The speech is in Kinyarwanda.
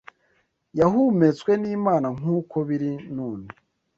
yahumetswe n’Imana nk’uko biri none